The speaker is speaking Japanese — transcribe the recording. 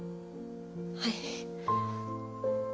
はい。